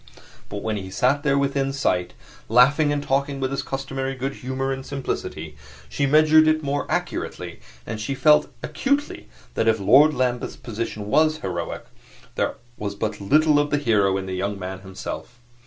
But when he sat there within sight, laughing and talking with his customary good humor and simplicity, she measured it more accurately, and she felt acutely that if Lord Lambeth's position was heroic, there was but little of the hero in the young man himself.